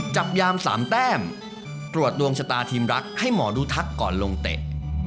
จับยาม๓แต้มตรวจดวงชะตาทีมรักให้หมอดูทักก่อนลงเตะ